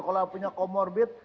kalau punya comorbid